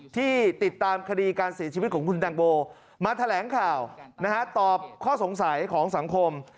ที่ติดตามคดีการเสียชีวิตของคุณตังโมมาแถลงข่าวตอบข้อสงสัยของสังคม